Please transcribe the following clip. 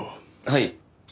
はい。